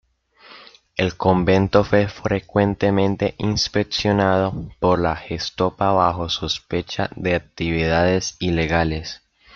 El convento fue frecuentemente inspeccionado por la Gestapo bajo sospecha de actividades ilegales.